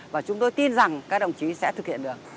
và chúng tôi tin rằng các đồng chí sẽ thực hiện được